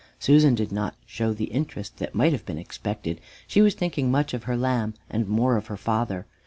Susan did not show the interest that might have been expected. She was thinking much of her lamb and more of her father.